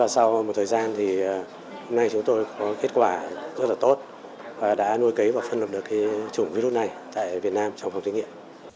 sau một thời gian hôm nay chúng tôi có kết quả rất tốt và đã nuôi cấy và phân lập được chủng virus này tại việt nam trong phòng thí nghiệm